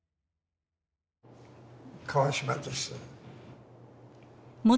川島です。